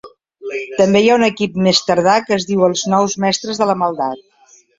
També hi ha un equip més tardà que es diu els Nous Mestres de la Maldat.